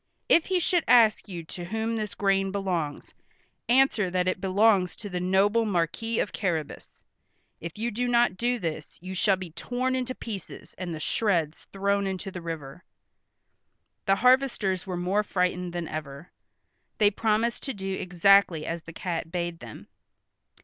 If he should ask you to whom this grain belongs, answer that it belongs to the noble Marquis of Carrabas. If you do not do this you shall be torn into pieces, and the shreds thrown into the river." The harvesters were more frightened than ever. They promised to do exactly as the cat bade them.